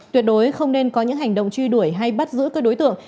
tuyệt đối không nên có những hành động truy đuổi hay bắt giữ các đối tượng